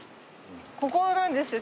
ここなんですよ。